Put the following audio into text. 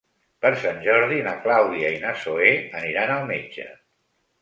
Per Sant Jordi na Clàudia i na Zoè aniran al metge.